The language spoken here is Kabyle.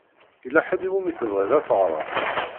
Yella ḥedd i wumi tebɣiḍ ad teɣṛeḍ?